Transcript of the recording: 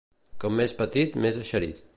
Com més petit, més eixerit.